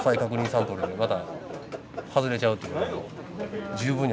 サンプルでまた外れちゃうっていうのは十分にありえるので。